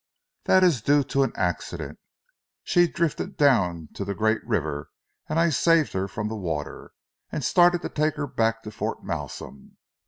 "That is due to an accident. She drifted down to the great river, and I saved her from the water, and started to take her back to Fort Malsun.